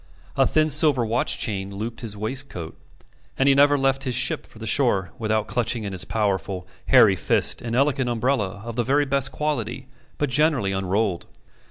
A thin silver watch chain looped his waistcoat, and he never left his ship for the shore without clutching in his powerful, hairy fist an elegant umbrella of the very best quality, but generally unrolled.